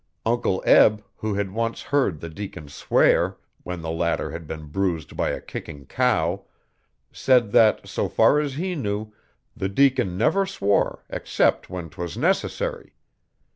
Uncle Eb, who had once heard the deacon swear, when the latter had been bruised by a kicking cow, said that, so far as he knew, the deacon never swore except when 'twas necessary.